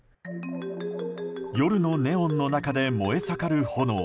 夜のネオンの中で燃え盛る炎。